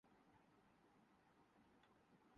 وہ بین السطور اسے کپڑے پہنانے کی تاکید کر رہا ہے۔